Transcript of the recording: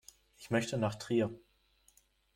Ich möchte nach Trier